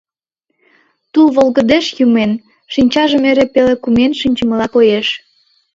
тул волгыдеш йымен, шинчажым эре пеле кумен шинчымыла коеш.